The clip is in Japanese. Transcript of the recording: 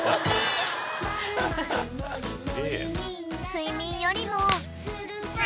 ［睡眠よりも］